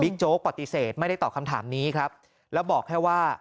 โจ๊กปฏิเสธไม่ได้ตอบคำถามนี้ครับแล้วบอกแค่ว่า